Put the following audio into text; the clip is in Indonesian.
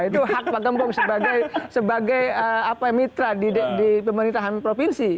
itu hak pak gembong sebagai mitra di pemerintahan provinsi